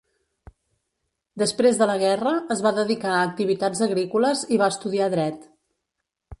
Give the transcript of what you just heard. Després de la guerra, es va dedicar a activitats agrícoles i va estudiar dret.